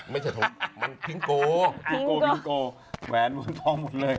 ไม่ใช่ทองมันทิงโกแหวนมันทองหมดเลย